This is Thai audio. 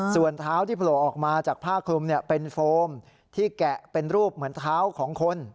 ส่วนเท้าที่โผล่ออกมาจากผ้าคลุมเป็นโฟมที่แกะเป็นรูปเหมือนเท้าของคน